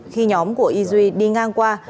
khi nhóm của y duy đi ngang qua